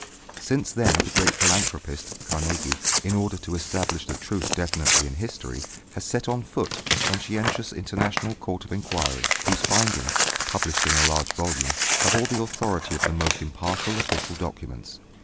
Since then the great philanthropist, Carnegie, in order to establish the truth definitely in history, has set on foot a conscientious international court of inquiry, whose findings, published in a large volume, have all the authority of the most impartial official documents.